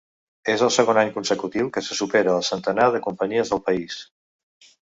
És el segon any consecutiu que se supera el centenar de companyies del país.